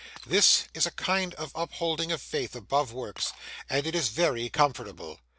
This is a kind of upholding of faith above works, and is very comfortable.